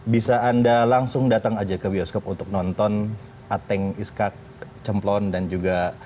bisa anda langsung datang aja ke bioskop untuk nonton ateng iskak cemplon dan juga